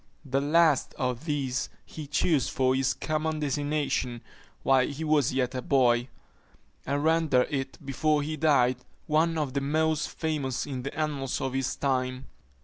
The last of these he chose for his common designation while he was yet a boy; and rendered it, before he died, one of the most famous in the annals of his time.